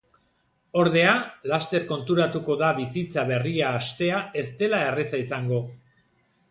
Ordea, laster konturatuko da bizitza berria hastea ez dela erraza izango.